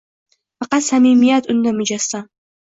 Faqat samimiyat unda mujassam.